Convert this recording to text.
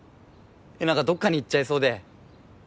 えながどっかに行っちゃいそうで。